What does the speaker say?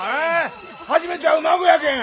初めて会う孫やけん！